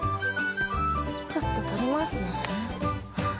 ちょっととりますね。